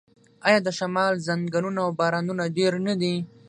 آیا د شمال ځنګلونه او بارانونه ډیر نه دي؟